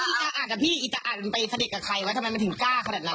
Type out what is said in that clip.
มีแน่ใจพี่จะอ่านไปเสด็จกับใครวะทำไมมันถึงกล้าขนาดนั้นอ่ะ